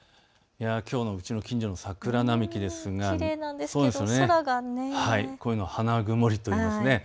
きょうのうちの近所の桜なんですがこういうの花曇りというんです。